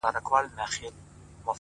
زما گلاب .گلاب دلبره نور به نه درځمه.